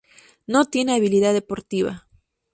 No tiene habilidad deportiva.